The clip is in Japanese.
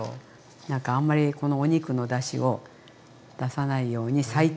何かあんまりこのお肉のだしを出さないように最低にしてます。